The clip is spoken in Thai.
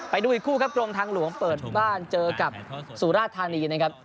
ไปดูอีกคู่ครับกรมทางหลวงเปิดบ้านเจอกับสุราธานีนะครับ